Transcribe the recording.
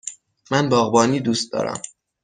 من باغبانی دوست دارم.